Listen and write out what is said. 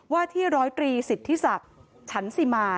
ว่าที่ร้อยตรีสิทธิศักดิ์ฉันสิมา